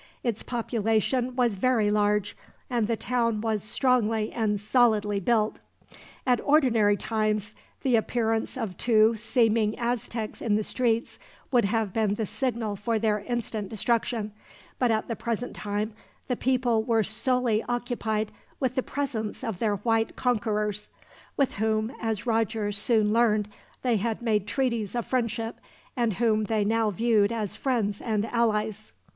Its population was very large, and the town was strongly and solidly built. At ordinary times the appearance of two seeming Aztecs in the streets would have been the signal for their instant destruction, but at the present time the people were solely occupied with the presence of their white conquerors; with whom, as Roger soon learned, they had made treaties of friendship, and whom they now viewed as friends and allies.